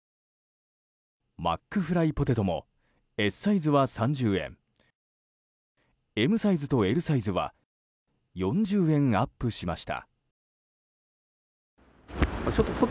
マックフライポテトもＳサイズは３０円ＭサイズとＬサイズは４０円アップしました。